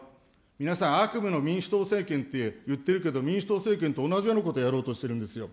皆さん、悪夢の民主党政権って言っているけど、民主党政権と同じようなことやろうとしてるんですよ。